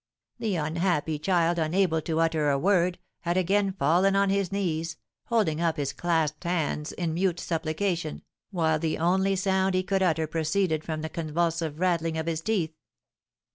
The unhappy child, unable to utter a word, had again fallen on his knees, holding up his clasped hands in mute supplication, while the only sound he could utter proceeded from the convulsive rattling of his teeth.